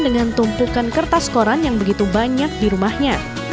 dengan tumpukan kertas koran yang begitu banyak di rumahnya